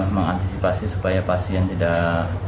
mengantisipasi supaya pasien tidak